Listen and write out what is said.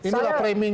ini lah premium